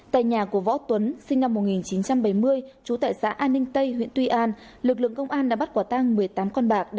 tại nhà của võ tuấn sinh năm một nghìn chín trăm bảy mươi trú tại xã an ninh tây huyện tuy an lực lượng công an đã bắt quả tang một mươi tám con bạc